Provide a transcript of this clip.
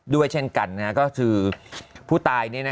ด้วยเช่นกันก็คือผู้ตาย